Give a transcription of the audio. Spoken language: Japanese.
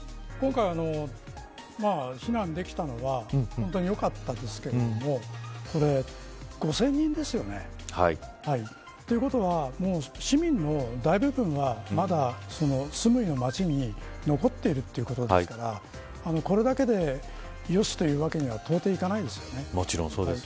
今回、避難できたのは本当によかったですが５０００人ですよね。ということは、市民の大部分はまだスムイの町に残っているということですからこれだけでよりという訳には到底いかないですよね。